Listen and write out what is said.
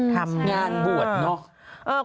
ทำงานบวชเนอะใช่ค่ะใช่ค่ะใช่ค่ะ